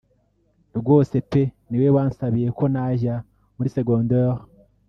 rwose pe niwe wansabiye ko najya muri secondaire